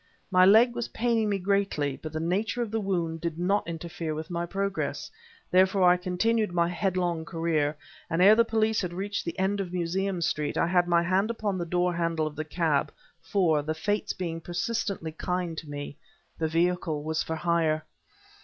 My leg was paining me greatly, but the nature of the wound did not interfere with my progress; therefore I continued my headlong career, and ere the police had reached the end of Museum Street I had my hand upon the door handle of the cab for, the Fates being persistently kind to me, the vehicle was for hire.